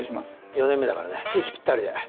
４年目だからね息ぴったりで。